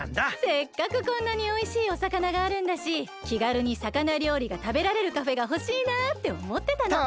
せっかくこんなにおいしいおさかながあるんだしきがるにさかなりょうりがたべられるカフェがほしいなあっておもってたの。